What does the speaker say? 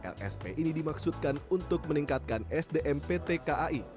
lsp ini dimaksudkan untuk meningkatkan sdm pt kai